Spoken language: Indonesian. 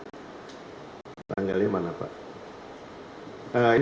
ini uang jaminan ini uang pembayaran sewanya ini uang jaminan